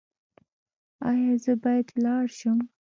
ایا زه باید لاړ شم؟